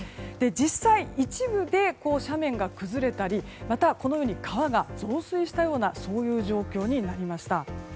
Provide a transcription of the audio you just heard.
実際、一部で斜面が崩れたりまた川が増水したような状況になりました。